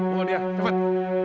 bawa dia cepat